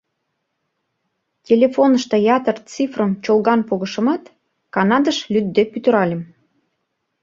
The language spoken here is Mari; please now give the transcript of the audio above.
Телефонышто ятыр цифрым чолган погышымат, Канадыш лӱдде пӱтыральым.